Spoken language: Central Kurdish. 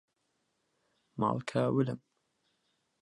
ماڵ کاولم